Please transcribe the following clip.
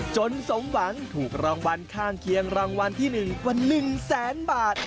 สมหวังถูกรางวัลข้างเคียงรางวัลที่๑กว่า๑แสนบาท